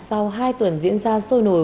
sau hai tuần diễn ra sôi nổi